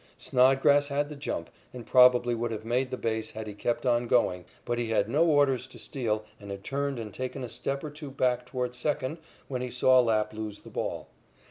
Snodgrass had the jump, and probably would have made the base had he kept on going, but he had no orders to steal and had turned and taken a step or two back toward second when he saw Lapp lose the ball.